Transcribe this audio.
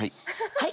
はい。